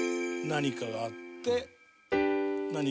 何かがあって。